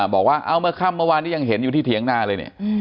บอกว่าเอาเมื่อค่ำเมื่อวานนี้ยังเห็นอยู่ที่เถียงนาเลยเนี่ย